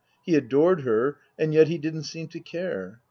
He adored her, and yet he didn't seem to care.